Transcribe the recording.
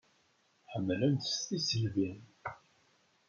Ḥemmlent-tt s tisselbi.